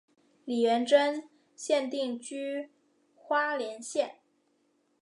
李元贞现定居花莲县。